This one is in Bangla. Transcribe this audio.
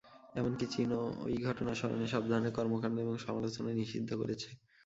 এমনকি চীন ওই ঘটনা স্মরণে সব ধরনের কর্মকাণ্ড এবং সমালোচনা নিষিদ্ধ করেছে।